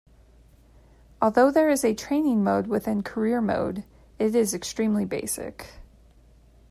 Although there is a training mode within Career Mode, it is extremely basic.